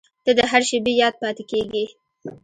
• ته د هر شېبې یاد پاتې کېږې.